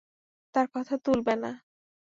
তার কথা তুলবে না।